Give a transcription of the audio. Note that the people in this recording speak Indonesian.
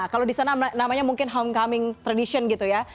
kalau di sana namanya mungkin homecoming tradition gitu ya